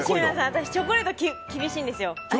私、チョコレート厳しいんですよ。